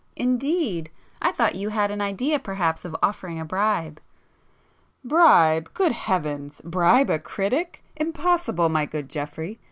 "Indeed! I thought you had an idea perhaps of offering a bribe...." "Bribe! Good Heavens! Bribe a critic! Impossible, my good Geoffrey!